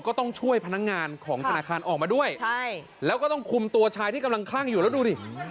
ก็ต้องช่วยพนักงานของธนาคารออกมาด้วยใช่แล้วก็ต้องคุมตัวชายที่กำลังคลั่งอยู่แล้วดูดิ